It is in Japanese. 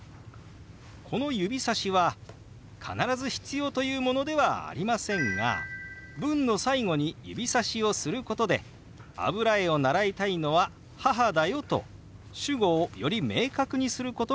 この指さしは必ず必要というものではありませんが文の最後に指さしをすることで「油絵を習いたいのは母だよ」と主語をより明確にすることができます。